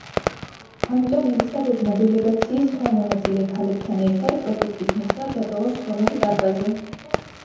ამიტომ ელისაბედმა დელეგაციის სხვა მონაწილე ქალებთან ერთად პროტესტის ნიშნად დატოვა სხდომათა დარბაზი.